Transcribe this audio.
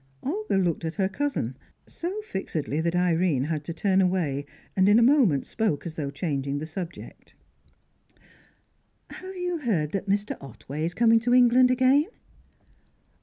Olga looked at her cousin; so fixedly that Irene had to turn away, and in a moment spoke as though changing the subject. "Have you heard that Mr. Otway is coming to England again?"